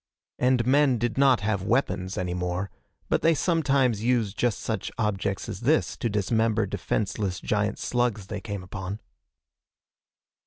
And men did not have weapons any more, but they sometimes used just such objects as this to dismember defenseless giant slugs they came upon.